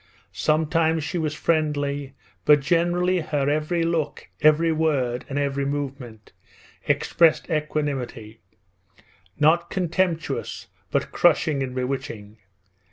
Sometimes she was friendly, but generally her every look, every word, and every movement expressed equanimity not contemptuous, but crushing and bewitching.